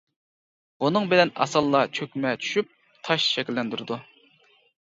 بۇنىڭ بىلەن ئاسانلا چۆكمە چۈشۈپ تاش شەكىللەندۈرىدۇ.